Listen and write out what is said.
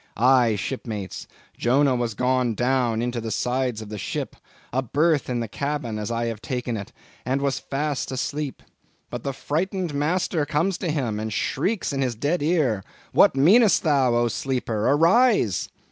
Aye, shipmates, Jonah was gone down into the sides of the ship—a berth in the cabin as I have taken it, and was fast asleep. But the frightened master comes to him, and shrieks in his dead ear, 'What meanest thou, O, sleeper! arise!